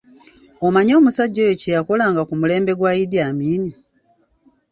Omanyi omusajja oyo kye yakolanga ku mulembe gwa Idi Amin.?